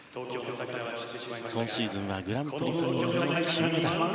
今シーズンはグランプリファイナルで金メダル。